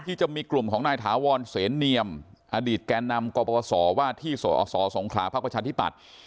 ที่จะมีกลุ่มของนายถาวรเสนเนียมอดีตแก่นำกปศว่าที่สอสสงขลาภักดิ์ประชาธิปัตย์